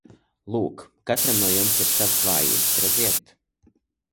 Lūk, katram no jums ir savas vājības, redziet!